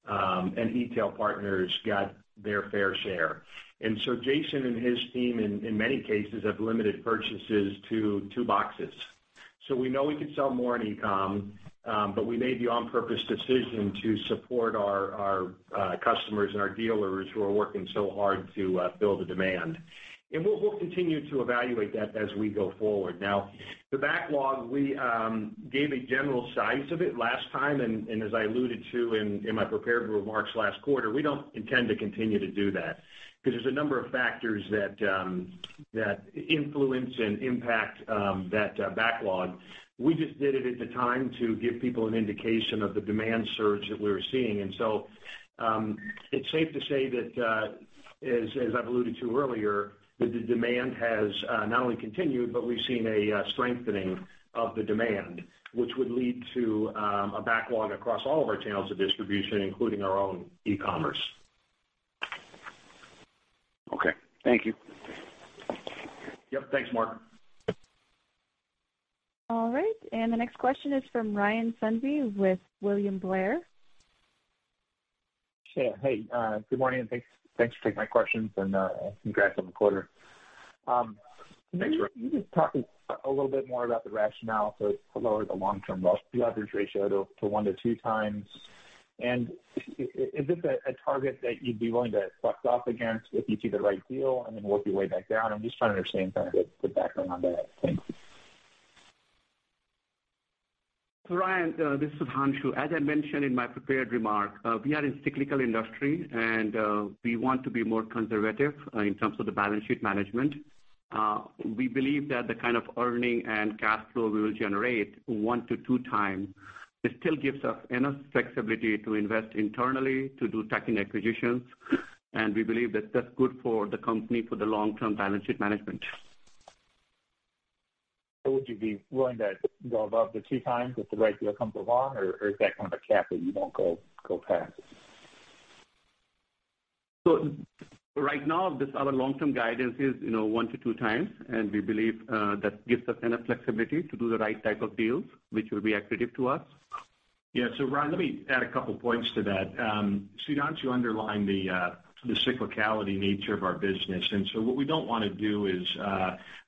and e-tail partners got their fair share. Jason and his team, in many cases, have limited purchases to two boxes. We know we could sell more in e-com, but we made the on-purpose decision to support our customers and our dealers who are working so hard to fill the demand. We'll continue to evaluate that as we go forward. The backlog, we gave a general size of it last time, and as I alluded to in my prepared remarks last quarter, we don't intend to continue to do that because there's a number of factors that influence and impact that backlog. We just did it at the time to give people an indication of the demand surge that we were seeing. It's safe to say that, as I've alluded to earlier, that the demand has not only continued, but we've seen a strengthening of the demand, which would lead to a backlog across all of our channels of distribution, including our own e-commerce. Okay. Thank you. Yep. Thanks, Mark. All right. The next question is from Ryan Sundby with William Blair. Hey. Good morning. Thanks for taking my questions and congrats on the quarter. Thanks, Ryan. Can you just talk a little bit more about the rationale to lower the long-term leverage ratio to 1x-2x? Is this a target that you'd be willing to buck off against if you see the right deal and then work your way back down? I'm just trying to understand kind of the background on that. Thanks. Ryan, this is Sudhanshu. As I mentioned in my prepared remark, we are in cyclical industry, and we want to be more conservative in terms of the balance sheet management. We believe that the kind of earning and cash flow we will generate one to two times. It still gives us enough flexibility to invest internally to do tuck-in acquisitions, and we believe that that's good for the company for the long-term balance sheet management. Would you be willing to go above the 2x if the right deal comes along, or is that kind of a cap that you won't go past? Right now, our long-term guidance is 1x-2x, and we believe that gives us enough flexibility to do the right type of deals, which will be accretive to us. Yeah. Ryan, let me add a couple points to that. Sudhanshu underlined the cyclicality nature of our business, what we don't want to do is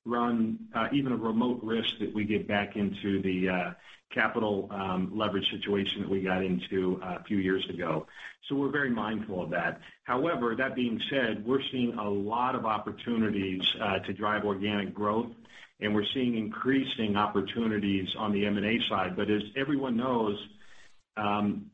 run even a remote risk that we get back into the capital leverage situation that we got into a few years ago. We're very mindful of that. However, that being said, we're seeing a lot of opportunities to drive organic growth, and we're seeing increasing opportunities on the M&A side. As everyone knows,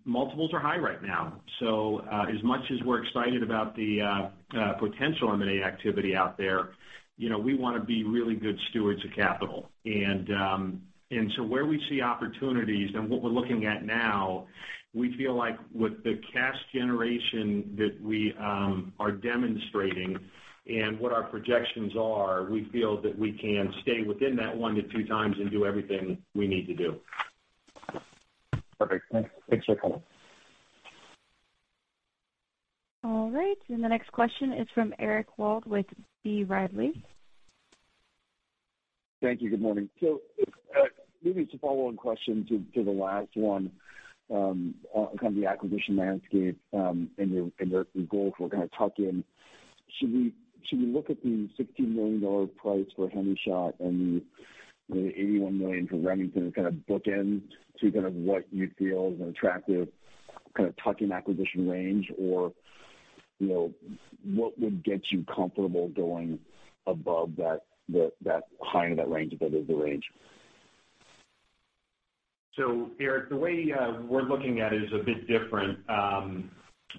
multiples are high right now. As much as we're excited about the potential M&A activity out there, we want to be really good stewards of capital. Where we see opportunities and what we're looking at now, we feel like with the cash generation that we are demonstrating and what our projections are, we feel that we can stay within that 1x-2x and do everything we need to do. Perfect. Thanks. Thanks for calling. All right, the next question is from Eric Wold with B. Riley. Thank you. Good morning. Maybe it's a follow-on question to the last one, on kind of the acquisition landscape, and your goals for kind of tuck-in. Should we look at the $16 million price for HEVI-Shot and the $81 million for Remington as kind of bookends to kind of what you feel is an attractive kind of tuck-in acquisition range? What would get you comfortable going above that high end of that range if that is the range? Eric, the way we're looking at it is a bit different,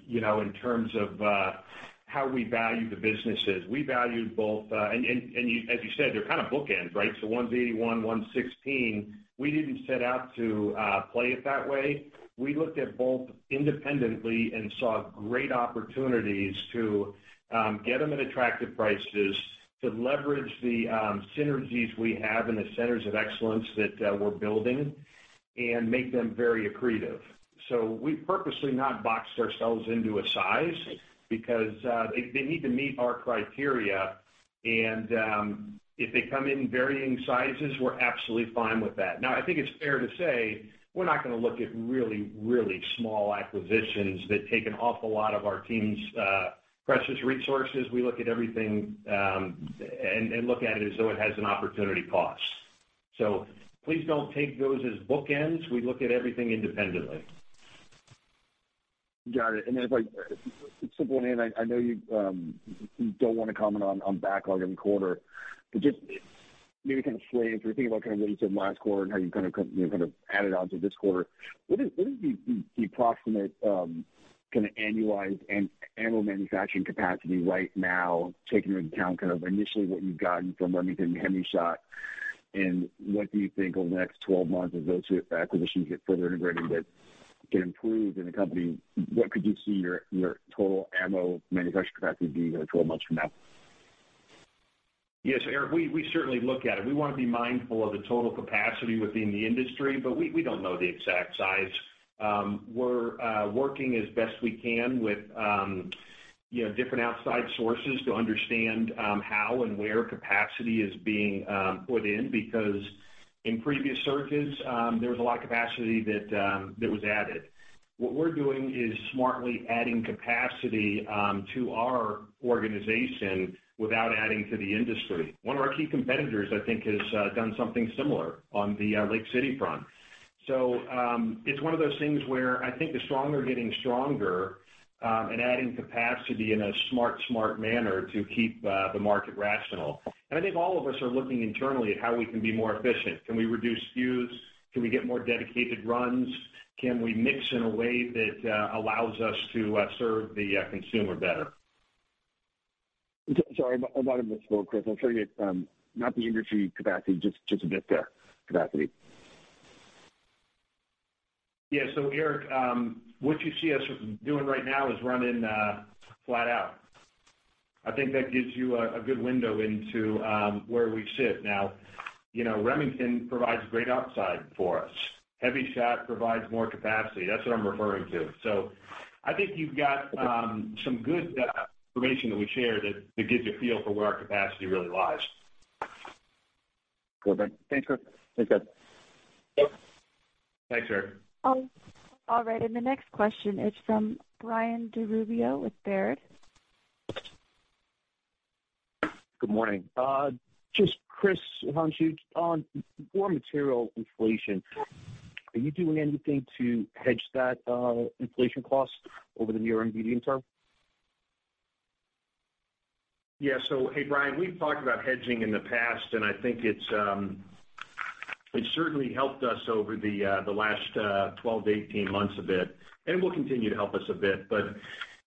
in terms of how we value the businesses. We valued both, and as you said, they're kind of bookends, right? One's $81 million, one's $16 million. We didn't set out to play it that way. We looked at both independently and saw great opportunities to get them at attractive prices, to leverage the synergies we have and the centers of excellence that we're building and make them very accretive. We've purposely not boxed ourselves into a size because they need to meet our criteria and if they come in varying sizes, we're absolutely fine with that. I think it's fair to say we're not going to look at really small acquisitions that take an awful lot of our team's precious resources. We look at everything, and look at it as though it has an opportunity cost. Please don't take those as bookends. We look at everything independently. Got it. If I could, simple one in, I know you don't want to comment on backlog every quarter, but just maybe kind of flavor, if you're thinking about kind of what you said last quarter and how you kind of added on to this quarter, what is the approximate kind of annualized annual manufacturing capacity right now, taking into account kind of initially what you've gotten from Remington and HEVI-Shot, and what do you think over the next 12 months as those two acquisitions get further integrated, get improved in the company, what could you see your total ammo manufacturing capacity being 12 months from now? Yes, Eric, we certainly look at it. We want to be mindful of the total capacity within the industry. We don't know the exact size. We're working as best we can with different outside sources to understand how and where capacity is being put in, because in previous surges, there was a lot of capacity that was added. What we're doing is smartly adding capacity to our organization without adding to the industry. One of our key competitors, I think, has done something similar on the Lake City front. It's one of those things where I think the strong are getting stronger, and adding capacity in a smart manner to keep the market rational. I think all of us are looking internally at how we can be more efficient. Can we reduce SKUs? Can we get more dedicated runs? Can we mix in a way that allows us to serve the consumer better? Sorry, I might have missed a little, Chris. I'll tell you, not the industry capacity, just Vista capacity. Yeah. Eric, what you see us doing right now is running flat out. I think that gives you a good window into where we sit now. Remington provides great upside for us. HEVI-Shot provides more capacity. That's what I'm referring to. I think you've got some good information that we shared that gives you a feel for where our capacity really lies. Perfect. Thanks, Chris. Thanks, guys. Yep. Thanks, Eric. All right. The next question is from Brian DiRubbio with Baird. Good morning. Just Chris, Sudhanshu, on raw material inflation, are you doing anything to hedge that inflation cost over the near and medium term? Hey, Brian, we've talked about hedging in the past, and I think it's certainly helped us over the last 12 to 18 months a bit, and will continue to help us a bit.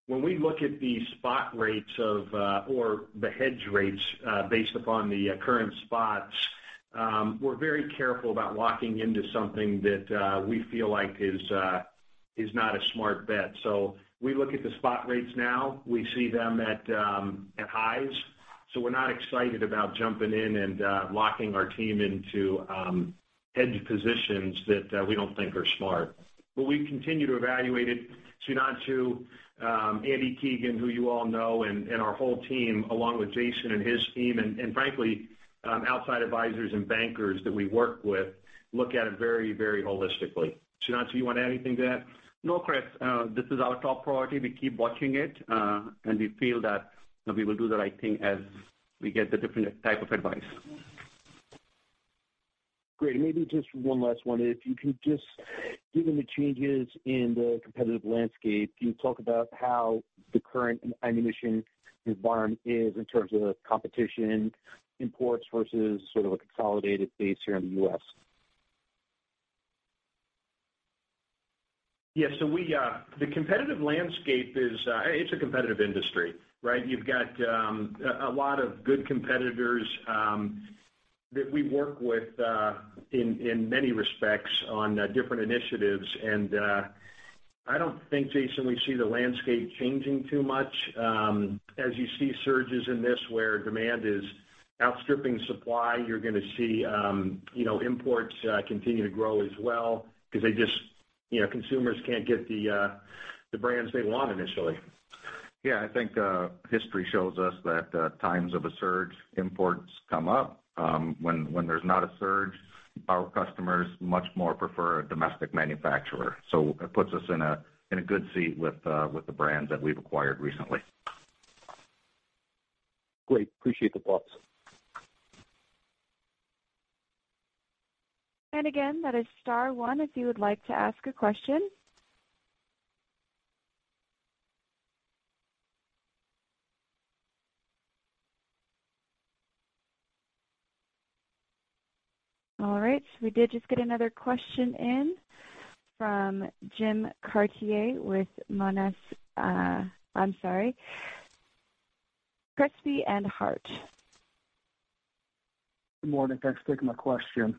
When we look at the spot rates or the hedge rates based upon the current spots, we're very careful about locking into something that we feel like is not a smart bet. We look at the spot rates now, we see them at highs, so we're not excited about jumping in and locking our team into hedge positions that we don't think are smart. We continue to evaluate it. Sudhanshu, Andy Keegan, who you all know, and our whole team, along with Jason and his team, and frankly, outside advisors and bankers that we work with, look at it very holistically. Sudhanshu, you want to add anything to that? No, Chris, this is our top priority. We keep watching it, and we feel that we will do the right thing as we get the different type of advice. Great. Maybe just one last one. If you could just, given the changes in the competitive landscape, can you talk about how the current ammunition environment is in terms of competition, imports versus sort of a consolidated base here in the U.S.? Yeah. The competitive landscape, it's a competitive industry, right? You've got a lot of good competitors that we work with in many respects on different initiatives. I don't think, Jason, we see the landscape changing too much. As you see surges in this, where demand is outstripping supply, you're going to see imports continue to grow as well, because consumers can't get the brands they want initially. I think history shows us that times of a surge, imports come up. When there's not a surge, our customers much more prefer a domestic manufacturer. It puts us in a good seat with the brands that we've acquired recently. Great. Appreciate the thoughts. Again, that is star one if you would like to ask a question. All right, we did just get another question in from Jim Chartier with Monness, Crespi, Hardt. Good morning. Thanks for taking my question.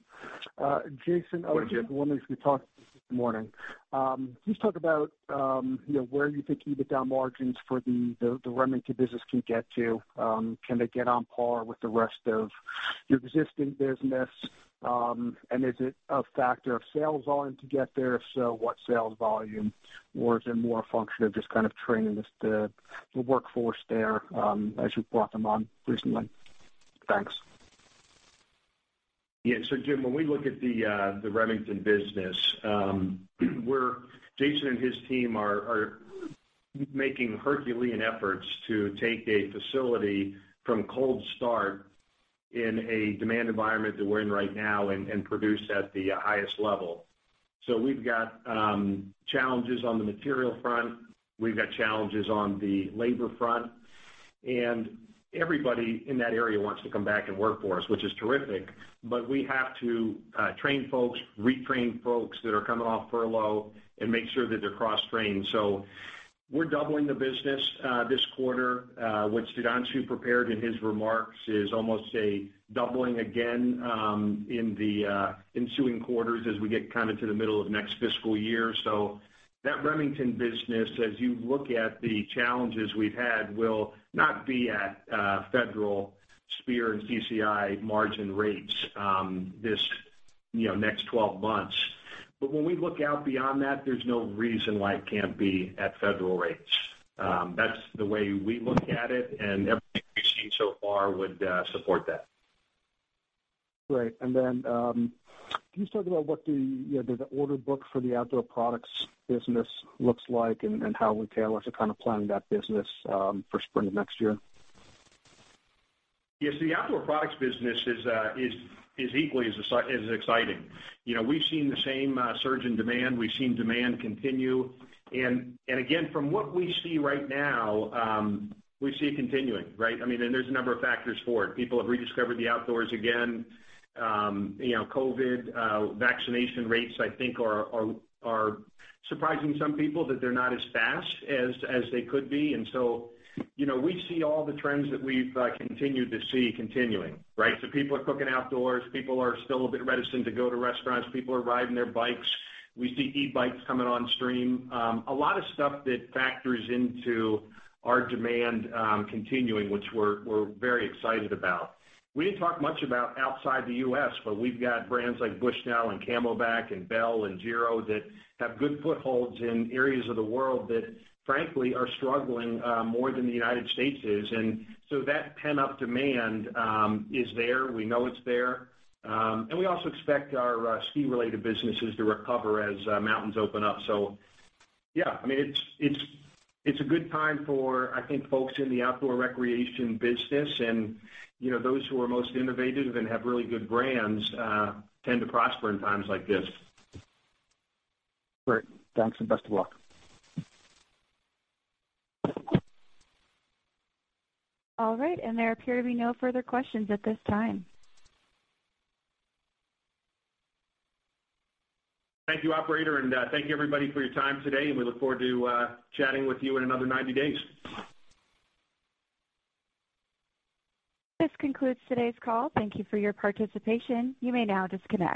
Morning, Jim. One of the things we talked about this morning. Can you talk about where you think EBITDA margins for the Remington business can get to? Can they get on par with the rest of your existing business? Is it a factor of sales volume to get there? If so, what sales volume? Is it more a function of just kind of training the workforce there as you've brought them on recently? Thanks. Yeah. Jim, when we look at the Remington business, Jason and his team are making Herculean efforts to take a facility from cold start in a demand environment that we're in right now and produce at the highest level. We've got challenges on the material front. We've got challenges on the labor front. Everybody in that area wants to come back and work for us, which is terrific. We have to train folks, retrain folks that are coming off furlough, and make sure that they're cross-trained. We're doubling the business this quarter. What Sudhanshu prepared in his remarks is almost a doubling again in the ensuing quarters as we get kind of to the middle of next fiscal year. That Remington business, as you look at the challenges we've had, will not be at Federal, Speer, and CCI margin rates this next 12 months. When we look out beyond that, there's no reason why it can't be at Federal rates. That's the way we look at it, and everything we've seen so far would support that. Great. Can you talk about what the order book for the Outdoor Products business looks like and how retail is kind of planning that business for spring of next year? The Outdoor Products business is equally as exciting. We've seen the same surge in demand. We've seen demand continue, again, from what we see right now, we see it continuing, right? There's a number of factors for it. People have rediscovered the outdoors again. COVID vaccination rates, I think, are surprising some people that they're not as fast as they could be. We see all the trends that we've continued to see continuing, right? People are cooking outdoors. People are still a bit reticent to go to restaurants. People are riding their bikes. We see e-bikes coming on stream. A lot of stuff that factors into our demand continuing, which we're very excited about. We didn't talk much about outside the U.S., but we've got brands like Bushnell and CamelBak and Bell and Giro that have good footholds in areas of the world that, frankly, are struggling more than the U.S. is. That pent-up demand is there. We know it's there. We also expect our ski-related businesses to recover as mountains open up. Yeah, it's a good time for, I think, folks in the outdoor recreation business, and those who are most innovative and have really good brands tend to prosper in times like this. Great. Thanks, and best of luck. There appear to be no further questions at this time. Thank you, operator. Thank you, everybody, for your time today. We look forward to chatting with you in another 90 days. This concludes today's call. Thank you for your participation. You may now disconnect.